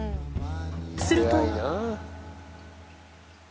すると。